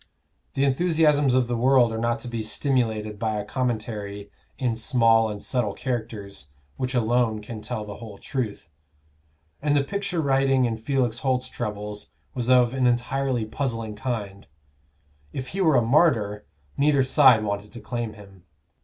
The enthusiasms of the world are not to be stimulated by a commentary in small and subtle characters which alone can tell the whole truth; and the picture writing in Felix Holt's troubles was of an entirely puzzling kind: if he were a martyr, neither side wanted to claim him.